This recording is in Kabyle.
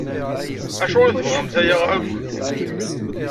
Acuɣer i tebɣamt aya akk?